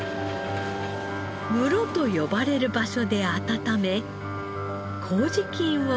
室と呼ばれる場所で温め麹菌を増やしていきます。